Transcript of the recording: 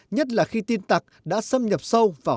nhất là khi tin tặc đã xâm nhập sâu